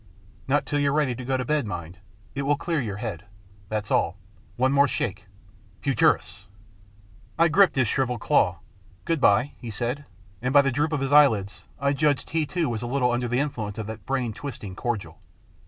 Not till you're ready to go to bed, mind. It will clear your head. That's all. One more shake Futurus !" I gripped his shrivelled claw. " Good bye," he said, and by the droop of his eyelids I judged he too was a little under the influence of that brain twisting cordial.